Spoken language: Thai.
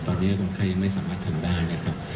ตอนนี้คนไข้ยังไม่สามารถทำได้นะครับ